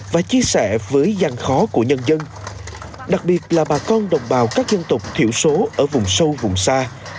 và chia sẻ với gian khó của nhân dân đặc biệt là bà con đồng bào các dân tộc thiểu số ở vùng sâu vùng xa